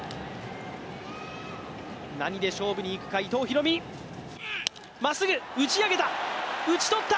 何で勝負で行くか伊藤大海まっすぐ、打ち上げた、打ち取った！